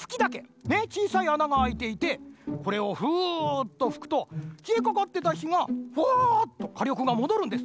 ちいさいあながあいていてこれをフーッとふくときえかかってたひがフワーッとかりょくがもどるんです。